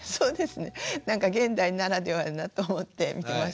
なんか現代ならではだと思って見てました。